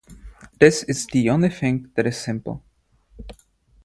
This is the only thing that is simple.